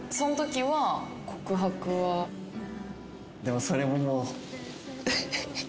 でもそれももう。